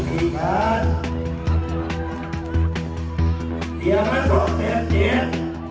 สองสองแสนเยฟ